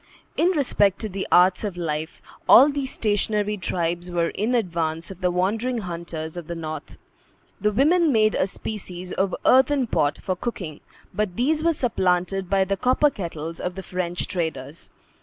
In respect to the arts of life, all these stationary tribes were in advance of the wandering hunters of the North. The women made a species of earthen pot for cooking, but these were supplanted by the copper kettles of the French traders.